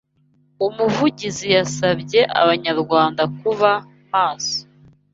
Umuvugizi yasabye abanyarwanda kuba maso